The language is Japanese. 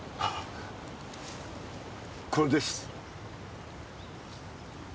これです。